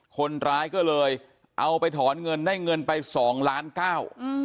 คนร้ายก็เลยเอาไปถอนเงินได้เงินไปสองล้านเก้า